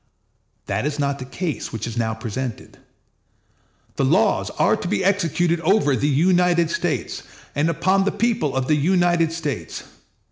That is not the case which is now presented. The laws are to be executed over the United States, and upon the people of the United States.